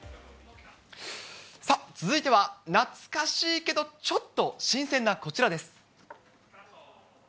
さあ、続いては懐かしいけど、ちょっと新鮮なこちらです。